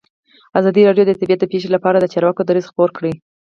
ازادي راډیو د طبیعي پېښې لپاره د چارواکو دریځ خپور کړی.